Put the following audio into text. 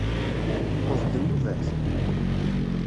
Tewweḍ-d nnuba-k?